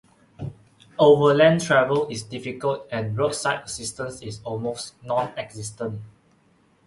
Overland travel is difficult and roadside assistance is almost nonexistent.